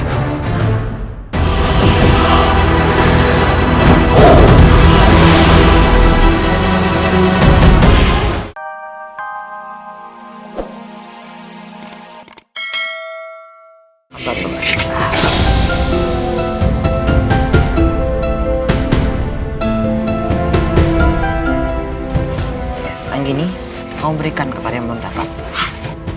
aku tidak akan kuat menahan